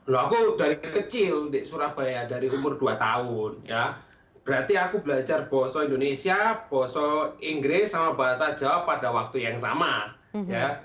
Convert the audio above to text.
loh aku dari kecil di surabaya dari umur dua tahun ya berarti aku belajar bahasa indonesia boso inggris sama bahasa jawa pada waktu yang sama ya